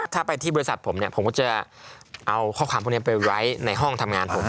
ถ้าไปที่บริษัทผมเนี่ยผมก็จะเอาข้อความพวกนี้ไปไว้ในห้องทำงานผม